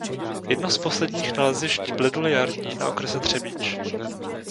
Jedno z posledních nalezišť bledule jarní na okrese Třebíč.